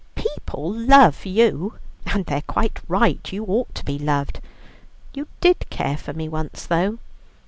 "People love you, and they're quite right; you ought to be loved. You did care for me once, though.